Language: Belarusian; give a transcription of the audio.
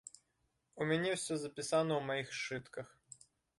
У мяне ўсё запісана ў маіх сшытках.